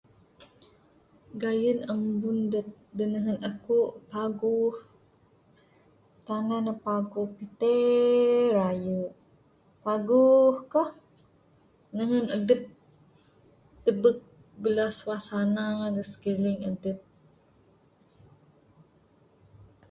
Gayun ambun da nehun akuk paguh. Tanan ne paguh. Pite rayu'. Paguh kah nehun adup tebuk bala suasana da skeliling adup.